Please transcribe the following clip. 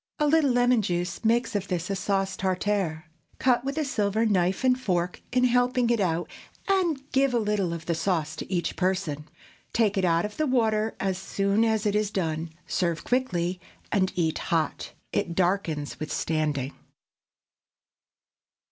A little lemon juice makes of this a sauce tartare. Cut with a silver knife and fork in helping it out, and give a little of the sauce to each person. Take it out of the water as soon as it is done, serve quickly, and eat hot. It darkens with standing.